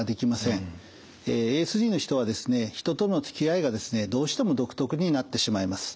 ＡＳＤの人はですね人とのつきあいがですねどうしても独特になってしまいます。